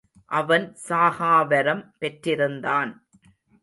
அவன் சாகாவரம் பெற்றிருந்தான்.